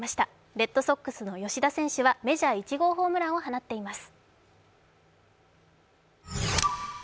レッドソックスの吉田選手はメジャー１号ホームランを放っています